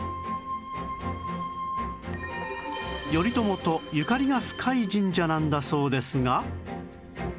頼朝とゆかりが深い神社なんだそうですが